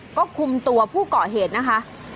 ก็คุมตัวผู้เกาะเหตุนะคะ